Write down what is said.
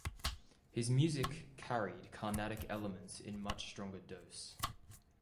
His music carried Carnatic elements in much stronger dose.